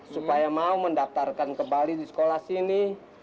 supaya mau mendaftarkan kembali di sekolah sini